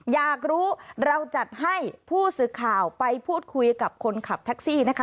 อยากรู้เราจัดให้ผู้สื่อข่าวไปพูดคุยกับคนขับแท็กซี่นะคะ